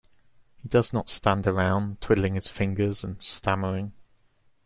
He does not stand around, twiddling his fingers and stammering.